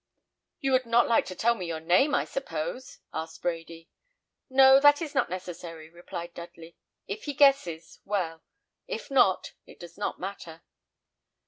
"You would not like to tell your name, I suppose?" asked Brady. "No, that is not necessary," replied Dudley. "If he guesses, well; if not, it does not matter."